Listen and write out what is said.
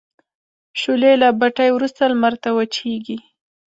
شولې له بټۍ وروسته لمر ته وچیږي.